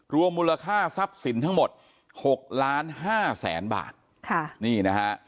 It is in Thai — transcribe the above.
รวมมูลค่าทรัพย์สินทั้งหมด๖๕๐๐๐๐๐บาทนี่นะฮะ